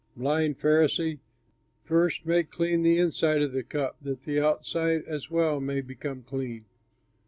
Blind Pharisee! first make clean the inside of the cup, that the outside as well may become clean.